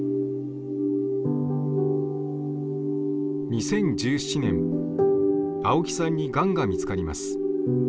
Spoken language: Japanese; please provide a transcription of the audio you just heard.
２０１７年青木さんにがんが見つかります。